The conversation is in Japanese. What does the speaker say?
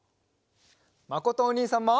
まことおにいさんも。